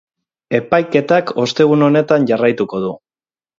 Epaiketak ostegun honetan jarraituko du.